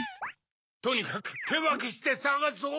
とにかくてわけしてさがそう！